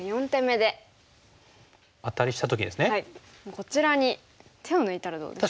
こちらに手を抜いたらどうでしょうか？